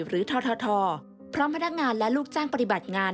ททพร้อมพนักงานและลูกจ้างปฏิบัติงาน